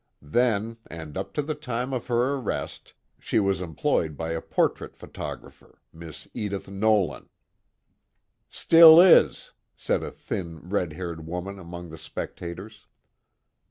Then, and up to the time of her arrest, she was employed by a portrait photographer, Miss Edith Nolan " "Still is," said a thin red haired woman among the spectators.